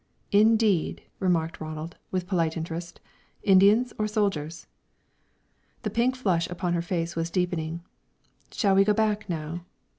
"Indeed!" remarked Ronald, with polite interest. "Indians or soldiers?" The pink flush upon her face deepened. "Shall we go back, now?"